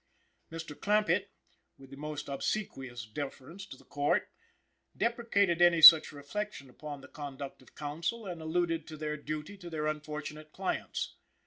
Mr. Clampitt, with the most obsequious deference to the Court, deprecated any such reflection upon the conduct of counsel and alluded to their duty to their unfortunate clients.